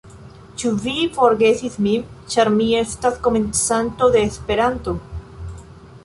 Ĉu vi forgesis min, ĉar mi estas komencanto de Esperanto?